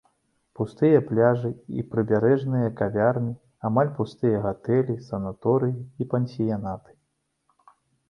Пустыя пляжы і прыбярэжныя кавярні, амаль пустыя гатэлі, санаторыі і пансіянаты.